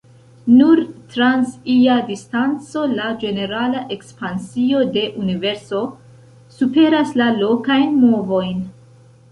Nur trans ia distanco, la ĝenerala ekspansio de Universo superas la lokajn movojn.